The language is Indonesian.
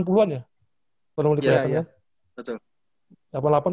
pernah mau diperhatikan ya